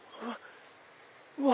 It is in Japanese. うわ！